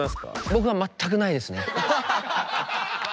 僕は全くないですね。